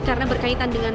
karena berkaitan dengan